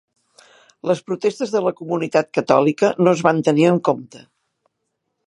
Les protestes de la comunitat catòlica no es van tenir en compte.